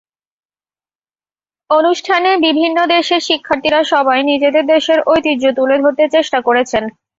অনুষ্ঠানে বিভিন্ন দেশের শিক্ষার্থীরা সবাই নিজেদের দেশের ঐতিহ্য তুলে ধরতে চেষ্টা করেছেন।